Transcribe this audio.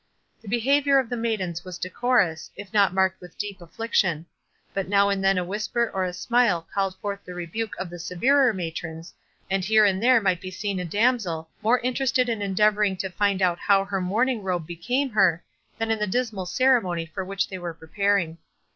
The behaviour of the maidens was decorous, if not marked with deep affliction; but now and then a whisper or a smile called forth the rebuke of the severer matrons, and here and there might be seen a damsel more interested in endeavouring to find out how her mourning robe became her, than in the dismal ceremony for which they were preparing.